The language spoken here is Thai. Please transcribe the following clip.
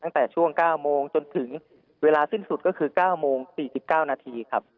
ตั้งแต่ช่วง๙โมงจนถึงเวลาสิ้นสุดก็คือ๙โมง๔๙นาทีครับ